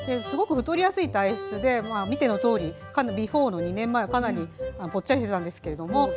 すごく太りやすい体質で見てのとおりＢｅｆｏｒｅの２年前はかなりぽっちゃりしてたんですけれども。